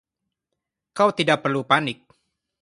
Kau tidak perlu panik.